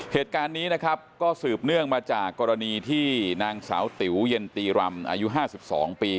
เหตุการณ์นี้นะครับก็สืบเนื่องมาจากกรณีที่นางสาวติ๋วเย็นตีรำอายุ๕๒ปี